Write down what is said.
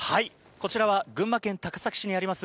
こちらは群馬県高崎市にあります